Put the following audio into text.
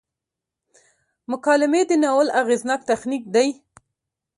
مکالمې د ناول اغیزناک تخنیک دی.